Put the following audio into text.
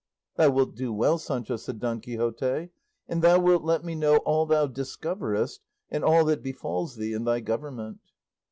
"Thou wilt do well, Sancho," said Don Quixote, "and thou wilt let me know all thou discoverest, and all that befalls thee in thy government."